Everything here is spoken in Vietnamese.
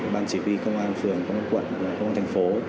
ban chỉ huy công an phường công an quận công an thành phố